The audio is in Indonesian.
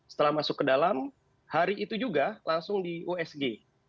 setelah masuk ke dalam hari itu juga langsung di usg